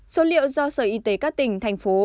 số liệu do sở y tế các tỉnh thành phố